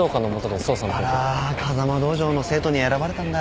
風間道場の生徒に選ばれたんだ。